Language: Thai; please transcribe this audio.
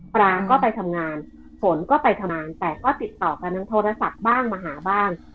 ปรางก็ไปทำงานฝนก็ไปทำงานแต่ก็ติดต่อกันทางโทรศัพท์บ้างมาหาบ้าง